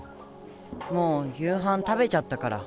もう夕はん食べちゃったから。